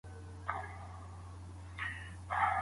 ولي محنتي ځوان د لوستي کس په پرتله برخلیک بدلوي؟